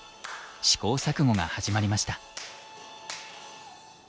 試行錯誤が始まりました。